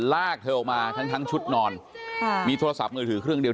ลากเธอออกมาทั้งทั้งชุดนอนมีโทรศัพท์มือถือเครื่องเดียว